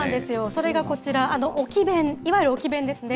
それがこちら、置き勉、いわゆる置き勉ですね。